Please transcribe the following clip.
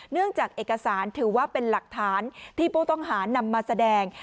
เนื่องจากเอกสารถือว่าเป็นหลักฐานที่ผู้ต้องหานำมาแสดง